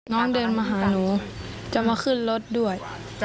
น้องเดินมาหาหนูจะมาขึ้นรถด้วย